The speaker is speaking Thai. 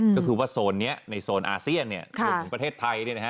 ก็คือว่าโซนนี้ในโซนอาเซียนรวมถึงประเทศไทย